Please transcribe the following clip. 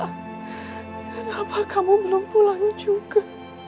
kenapa kamu belum pulang juga